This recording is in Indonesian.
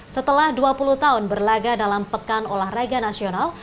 setelah dua puluh tahun berlaga dalam pekan olahraga nasional